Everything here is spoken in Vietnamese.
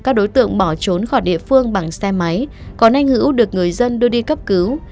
các đối tượng bỏ trốn khỏi địa phương bằng xe máy còn anh hữu được người dân đưa đi cấp cứu